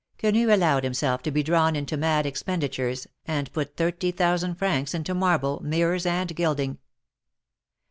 Quenu allowed himself to be drawn into mad expenditures, and put thirty thousand francs into marble, mirrors and gilding.